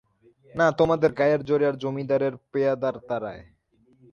না তোমাদের গায়ের জোরে আর জমিদারের পেয়াদার তাড়ায়।